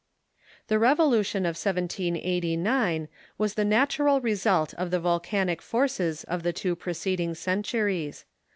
The revolution of 1789 was the natural result of the volcanic forces of the two preceding centuries.